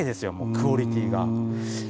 クオリティーが。